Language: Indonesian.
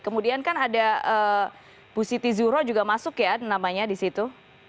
kemudian kan ada bu siti zuro juga masuk ya namanya di situ